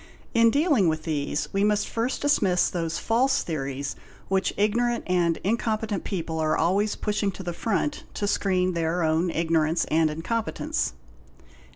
In dealing with these we must first dismiss those false theories which ignorant and incompetent people are always pushing to the front to screen their own ignorance and incompetence.